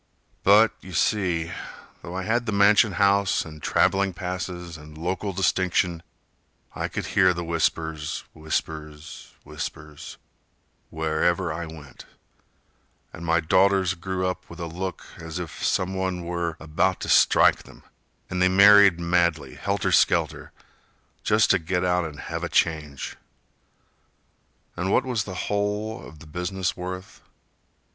But, you see, though I had the mansion house And traveling passes and local distinction, I could hear the whispers, whispers, whispers, Wherever I went, and my daughters grew up With a look as if some one were about to strike them; And they married madly, helter skelter, Just to get out and have a change. And what was the whole of the business worth?